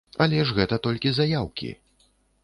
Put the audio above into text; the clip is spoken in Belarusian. Але ж гэта толькі заяўкі.